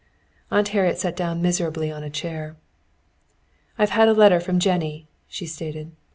Aunt Harriet sat down miserably on a chair. "I've had a letter from Jennie," she stated.